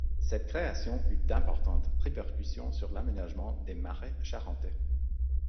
Cette création eut d'importantes répercussions sur l'aménagement des marais charentais.